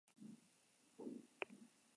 Azken honi esker saria lortu zuen azkenean.